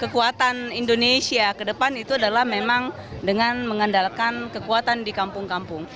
kekuatan indonesia ke depan itu adalah memang dengan mengandalkan kekuatan di kampung kampung